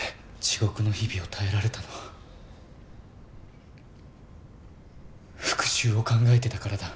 地獄の日々を耐えられたのは復讐を考えていたからだ。